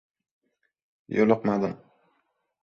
Yo‘liqmadim.